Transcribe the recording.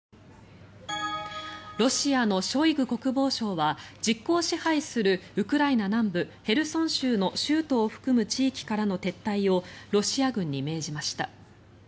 ロシアのショイグ国防相は実効支配するウクライナ南部ヘルソン州の州都を含む地域からの撤退をロシア軍に命じました。